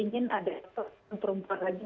ingin ada yang perempuan lagi